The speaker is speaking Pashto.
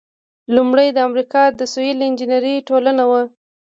لومړۍ د امریکا د سیول انجینری ټولنه وه.